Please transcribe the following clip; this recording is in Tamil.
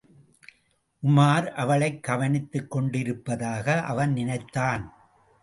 உமார் அவளைக் கவனித்துக் கொண்டிருப்பதாக அவன் நினைத்தான்.